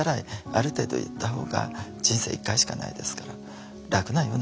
ある程度言ったほうが人生１回しかないですから楽なような気がしますね。